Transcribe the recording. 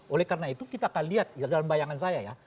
oleh karena itu kita akan lihat ya dalam bayangan saya ya